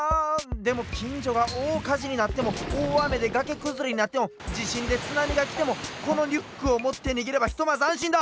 でもきんじょがおおかじになってもおおあめでがけくずれになってもじしんでつなみがきてもこのリュックをもってにげればひとまずあんしんだ！